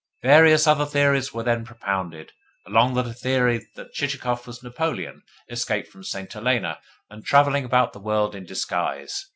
Various other theories were then propounded, among them a theory that Chichikov was Napoleon, escaped from St. Helena and travelling about the world in disguise.